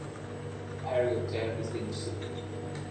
Harry'll tear his dinner suit.